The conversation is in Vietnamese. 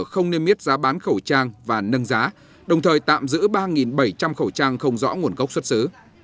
không nên miết giá bán khẩu trang và nâng giá đồng thời tạm giữ ba bảy trăm linh khẩu trang không rõ nguồn gốc xuất xứ